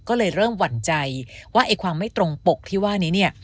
ก็เลยเริ่มหวั่นใจว่าไอ้ความไม่ตรงปกที่ว่านี้เนี่ย